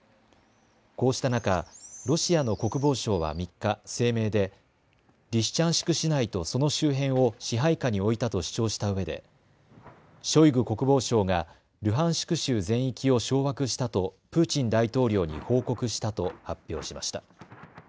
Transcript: こうした中、ロシアの国防省は３日、声明でリシチャンシク市内とその周辺を支配下に置いたと主張したうえでショイグ国防相がルハンシク州全域を掌握したとプーチン大統領に報告したと発表しました。